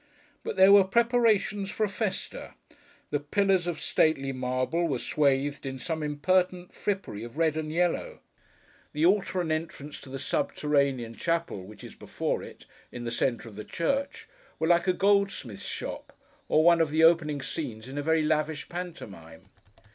But, there were preparations for a Festa; the pillars of stately marble were swathed in some impertinent frippery of red and yellow; the altar, and entrance to the subterranean chapel: which is before it: in the centre of the church: were like a goldsmith's shop, or one of the opening scenes in a very lavish pantomime.